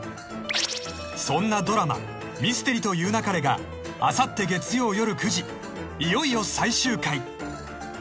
［そんなドラマ『ミステリと言う勿れ』があさって月曜夜９時いよいよ最終回］